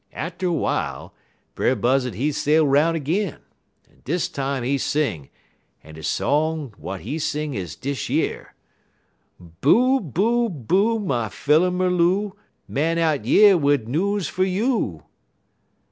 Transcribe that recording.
Atter w'ile, Brer Buzzud he sail 'roun' ag'in, en dis time he sing, en de song w'at he sing is dish yer: "'_Boo, boo, boo, my filler mer loo, Man out yer wid news fer you!